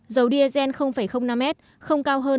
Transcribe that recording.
dầu diesel năm m giảm hai trăm năm mươi ba đồng một lít